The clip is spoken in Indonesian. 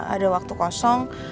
ada waktu kosong